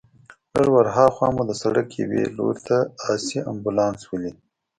لږ ورهاخوا مو د سړک یوې لور ته آسي امبولانس ولید.